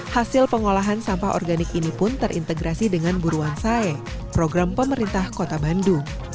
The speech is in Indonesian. hasil pengolahan sampah organik ini pun terintegrasi dengan buruan sae program pemerintah kota bandung